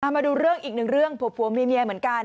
มาดูเรื่องอีกนิดหนึ่งร่วมภูมิเมียเหมือนกัน